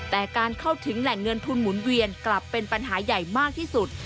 แต่การเข้าถึงแหล่งเงินทุนหมุนเวียนกลับเป็นปัญหาใหญ่มากที่สุด